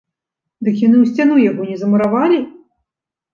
Дык яны ў сцяну яго не замуравалі?!